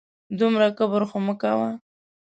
دومره کبر خو مه کوه